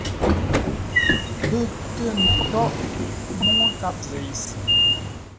Pə́ kə̂ ntóghʼ nuŋú nkâp zei se.